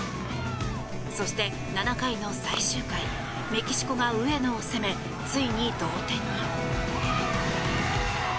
そして、７回の最終回メキシコが上野を攻めついに同点に。